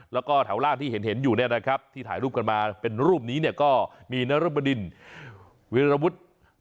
แล้วก็แถวล่างที่เห็นอยู่เนี่ยนะครับที่ถ่ายรูปกันมาเป็นรูปนี้เนี่ยก็มีนรบดินวิรวุฒิ